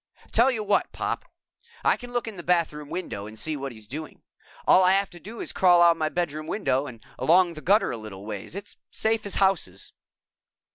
"Tell you what, Pop I can look in the bathroom window and see what he's doing. All I have to do is crawl out my bedroom window and along the gutter a little ways. It's safe as houses."